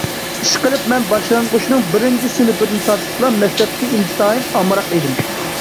ئىشقىلىپ، مەن باشلانغۇچنىڭ بىرىنچى سىنىپىدىن تارتىپلا مەكتەپكە ئىنتايىن ئامراق ئىدىم.